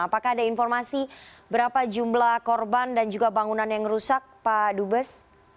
apakah ada informasi berapa jumlah korban dan juga bangunan yang rusak pak dubes